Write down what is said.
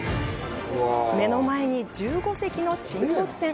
目の前に１５隻の沈没船。